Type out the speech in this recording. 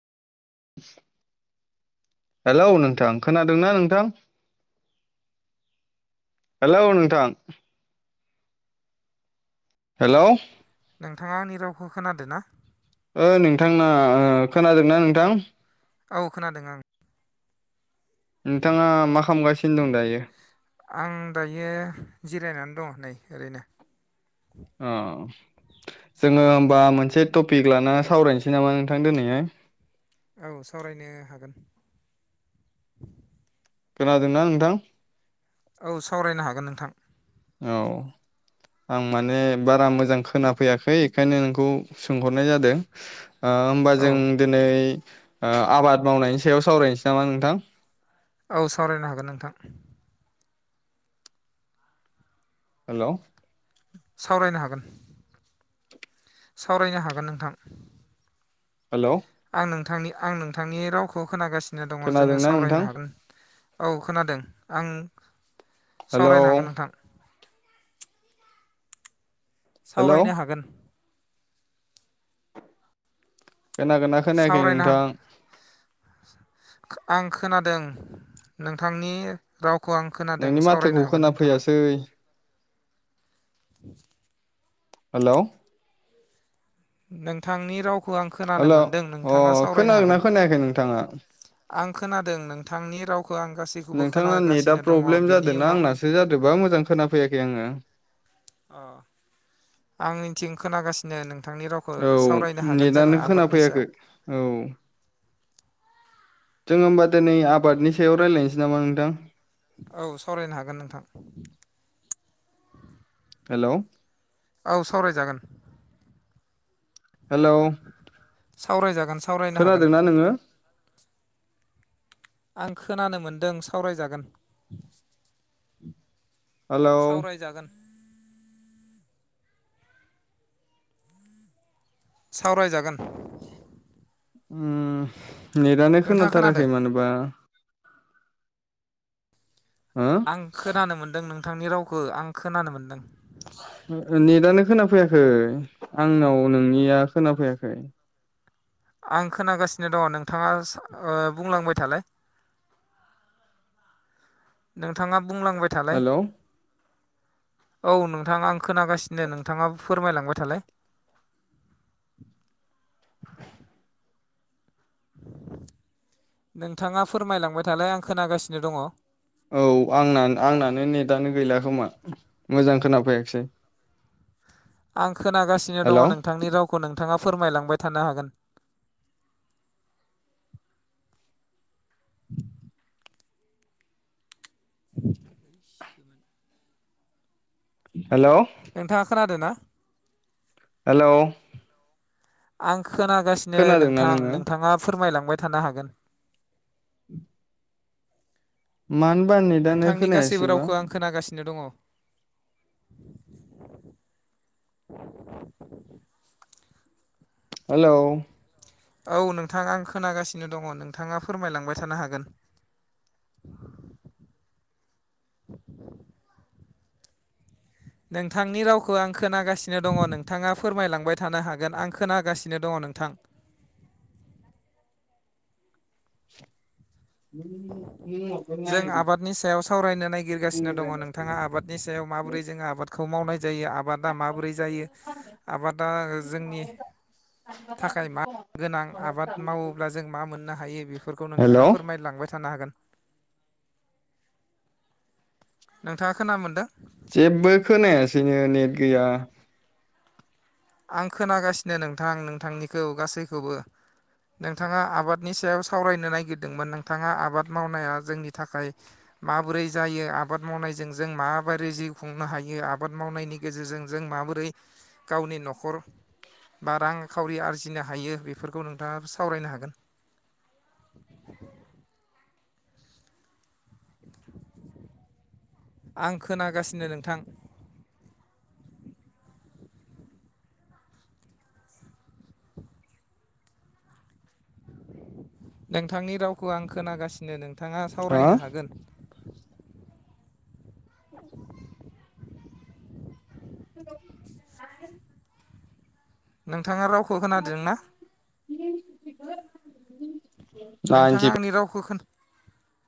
Hello नोंथां खोनादोंना नोंथां? हेलौ नोंथां। हेलौ। नोंथांङा आंनि रावखौ खोनादों ना? ओ नोंथांना ओ खोनादोंना नोंथां? औ खोनादों आं। नोंथाङा मा खालामगासिनो दं दायो आं दायो जिरायनानै दंङ नै। ओरैनो। अ। जोंङो होमबा मोनसे टपिक लानानै सावरायनोसै नामा नोंथां दिनैहाय? औ सावरायनो हागोन। खोनादोंना नोंथां? औ सावरायनो हागोन नोंथां। औ। आं माने बारा मोजां खोनाफैयाखै इखायनो नोंखौ सोंहरनाय जादों। ओ होमबा औ जों दिनै ओ आबाद मावनायनि सायाव सावरायनोसै नामा नोंथां? औ सावरायनो हागोन नोंथां। हेलौ। सावरायनो हागोन। सावरायनो हागोन नोंथां। हेलौ। आं नोंथांनि आं नोंथांनि रावखौ खोनागासिनो दंङ जोंङो खोनादोंना नोंथां सावरायनो हागोन। औ खोनादों आं हेलौ सावरायनो हागोन नोंथां। हेलौ सावरायनो हागोन। खोनागोना खोनायाखै सावरायनो हा नोंथां? आं खोनादों नोंथांनि राव खौ आं खोनादों नोंनि सावरायनो माथोखौ हागोन नोंथाङा। खोनाफैयासै [unintelligible] हेलौ। नोंथांनि रावखौ आं खोनानो हेलौ मोनदों अ नोंथांङा सावरायनो हागोन। खोनादोंना खोनायाखै नोंथाङा आं खोनादों नोंथांनि रावखौ आं गासैखौबो नोंथांना खोनागासिनो दंङ बेनि उनाव गोबां मोजां खोना फैयाखै आंङो। अ आंनिथिं खोनागासिनो नों औ नेटआनो खोना सायाव फैयाखै औ। जों होमबा दिनै आबादनि सायाव रायज्लायनोसै नामा नोंथां। औ सावरायनो हागोन नोंथां। हेलौ औ सावरायजागोन हेलौ सावरायजागोन सावरायनो हागोन खोनादोंना नोङो आं खोनानो मोन्दों सावरायजागोन हेलौ सावरायजागोन सावरायजागोन उम नेटानो नोंथाङा खोनादों खोनाथाराखै मानोबा हो आं खोनानो मोनदों नोंथांनि रावखौ आं खोनानो मोनदों [unintelligible] नेटआनो खोनाफैयाखै आंनाव नोंनिया खोनाफैयाखै आं खोनागासिनो दङ नोंथाङा ओ बुंलांबाय थालाय नोंथाङा बुंलांबाय थालाय हेलौ औ नोंथां आं खोनागासिनो नोंथाङा फोरमायलांबाय थालाय। नोंथाङा फोरमायलांबाय थालाय आं खोनागासिनो दङ' औ आंना- आंनानो नेटानो गैला खोमा मोजां खोनाफैयाखिसै [unintelligible] आं खोनागासिनो दङ हेलौ नोंथांनि रावखौ नोंथाङा फोरमायलांबाय थानो हागोन [unintelligible] [unintelligible] हेलौ नोंथाङा खोनादो ना हेलौ आं खोनागासिनो खोनादोंना नोंथां नोङो नोंथाङा फोरमायलांबाय थानो हागोन [unintelligible] मानोबा नेटानो नोंथांनि गासैबो खोनायासैबा रावखौ आं खोनागासिनो दङ [unintelligible] हेलौ औ नोंथाङा आं खोनागासिनो दङ नोंथाङा फोरमायलांबाय थानो हागोन [unintelligible] नोंथांनि रावखौ आं खोनागासिनो दङ नोंथाङा फोरमायलांबाय थानो हागोन आं खोनागासिनो दङ नोंथां [unintelligible] जों आबादनि सायाव सावरायनो नागिरगासिनो दङ' नोंथाङा आबादनि सायाव मा माबोरै जों आबादखौ मावनाय जायो आबादा माबोरै जायो आबादा जोंनि थाखाय मा गोनां आबाद मावोब्ला जों मा मोननो हायो बेफोरखौ नोंथाङा हेलौ फोरमायलांबाय थानो हागोन। नोंथाङा खोना मोनदों? जेबो खोनायासैनो नेट गैया। आं खोनागासिनो नोंथां नोंथांनिखौ गासैखौबो। नोंथाङा आबादनि सायाव सावरायनो नागिरदोंमोन नोंथाङा आबाद मावनाया जोंनि थाखाय माबोरै जायो आबाद मावनायजों जों माबोरै जिउ खुंनो हायो आबाद मावनायनि गेजेरजों जों माबोरै गावनि न'खर बा रांखावरि आरजिनो हायो बेफोरखौ नोंथाङा सावरायनो हागोन [unintelligible] आं खोनागासिनो नोंथां नोंथांनि रावखौ आं खोनागासिनो नोंथाङा हा सावरायनो हागोन। बि [unintelligible] [unintelligible] नोंथाङा रावखौ खोनादोंना। [unintelligible] नाइनटि नोंथाङा आंनि रावखौ खोना